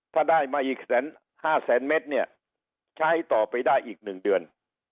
ถ้าได้มาอีก๕แสนเมตรเนี่ยใช้ต่อไปได้อีก๑เดือน